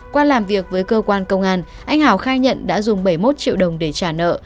qua làm việc với cơ quan công an anh hào khai nhận đã dùng bảy mươi một triệu đồng để trả nợ